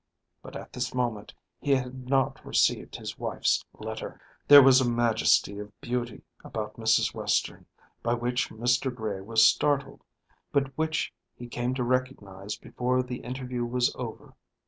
But at this moment he had not received his wife's letter. There was a majesty of beauty about Mrs. Western by which Mr. Gray was startled, but which he came to recognise before the interview was over.